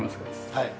はい。